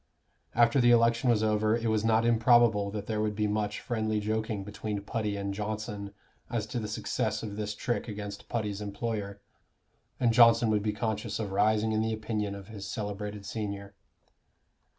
After the election was over it was not improbable that there would be much friendly joking between Putty and Johnson as to the success of this trick against Putty's employer, and Johnson would be conscious of rising in the opinion of his celebrated senior.